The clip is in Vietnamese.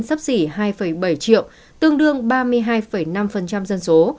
sắp xỉ hai bảy triệu tương đương ba mươi hai năm dân số